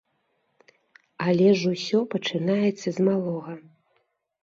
Але ж усё пачынаецца з малога.